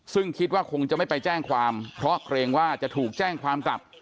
ซึ่งคิดว่าคงจะไม่ไปแจ้งความเพราะเกรงว่าจะถูกแจ้งความกลับ